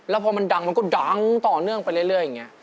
แล้วมันดังก็ดังต่อเนื่องไปเรียงอย่างเนี่ย